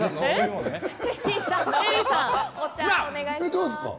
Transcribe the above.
テリーさん、お茶、お願いします。